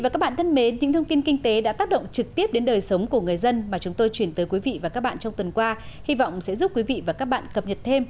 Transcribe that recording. cũng xin đừng tạm dừng hẹn gặp lại quý vị và các bạn trong những chương trình lần sau